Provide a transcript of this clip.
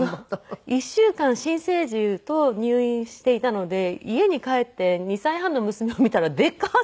１週間新生児と入院していたので家に帰って２歳半の娘を見たらでかっ！